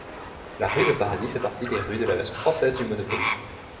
La rue de Paradis fait partie des rues de la version française du Monopoly.